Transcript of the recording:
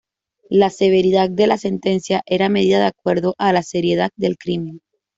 La severidad de la sentencia era medida de acuerdo a la seriedad del crimen.